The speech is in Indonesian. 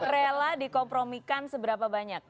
rela dikompromikan seberapa banyak